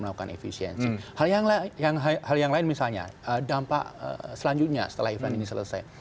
melakukan efisiensi hal yang lain misalnya dampak selanjutnya setelah event ini selesai